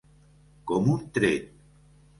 Com un tret.